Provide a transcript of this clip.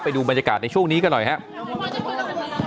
ไปดูบรรยากาศในช่วงนี้กันหน่อยครับ